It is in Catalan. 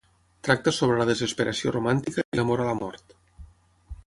Tracta sobre la desesperació romàntica i l'amor a la mort.